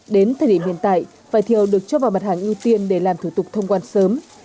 đến thời điểm hiện tại vải thiều được cho vào mặt hàng ưu tiên để làm thủ tục thông quan sớm